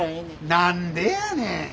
何でやねん。